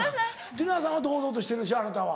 ティナさんは堂々としてるでしょあなたは。